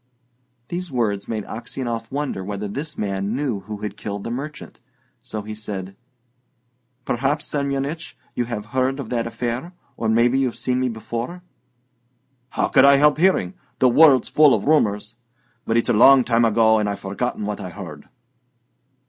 These words made Aksionov wonder whether this man knew who had killed the merchant; so he said, "Perhaps, Semyonich, you have heard of that affair, or maybe you've seen me before?" "How could I help hearing? The world's full of rumours. But it's a long time ago, and I've forgotten what I heard."